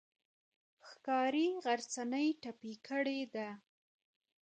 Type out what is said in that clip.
ښکاري غرڅنۍ ټپي کړې ده.